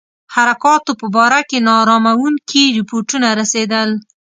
حرکاتو په باره کې نا اراموونکي رپوټونه رسېدل.